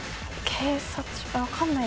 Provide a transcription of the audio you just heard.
全然分かんない。